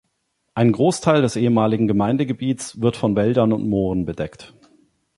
Ein Großteil des ehemaligen Gemeindegebiets wird von Wäldern und Mooren bedeckt.